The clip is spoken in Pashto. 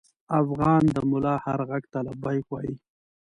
افغان د ملا هر غږ ته لبیک وايي.